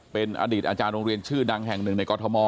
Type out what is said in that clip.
เป็นอดีตอาจารย์โรงเรียนชื่อดังแห่งหนึ่งในกรทม